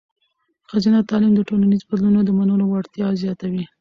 ښځینه تعلیم د ټولنیزو بدلونونو د منلو وړتیا زیاتوي.